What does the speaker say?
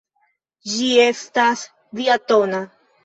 Ĝi estas diatona.